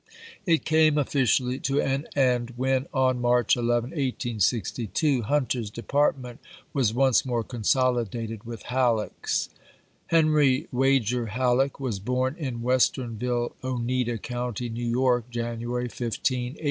It came officially to an end when, on March 11, 1862, Hunter's department was once more consolidated with Halleck's. Henry Wager Halleck was born in Westernville, Oneida County, New York, January 15, 1815.